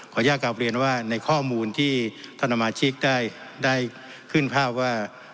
ขออนุญาตกาเบียนว่าในข้อมูลที่ท่านดามอาชีพได้ขึ้นภาพว่า